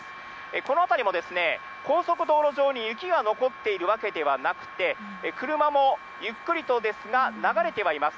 この辺りも高速道路上に雪が残っているわけではなくて、車もゆっくりとですが、流れてはいます。